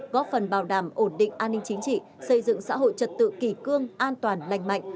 góp phần bảo đảm ổn định an ninh chính trị xây dựng xã hội trật tự kỷ cương an toàn lành mạnh